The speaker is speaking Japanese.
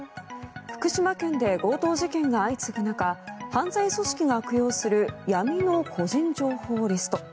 福島県で強盗事件が相次ぐ中犯罪組織が悪用する闇の個人情報リスト。